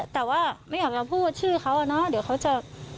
แต่ว่าไม่อยากจะพูดชื่อเขาอะเนาะเดี๋ยวเขาจะ